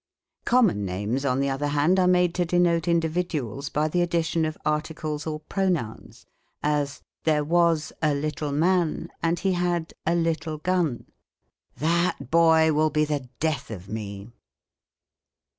Common names, on the other hand, are made to de note individuals, by the addition of ai'ticles or pro nouns : as, " There was a little man, and he had a little gun." " That boy will be the death of me!"